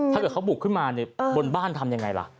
ถ้าเกิดเขาบุกขึ้นมาบนบ้านทำยังไงล่ะ